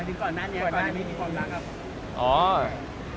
ตอนนี้มีความรักครับ